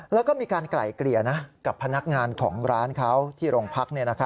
แล้วก็มีการไกล่เกลี่ยกับพนักงานของร้านเขาที่โรงพัก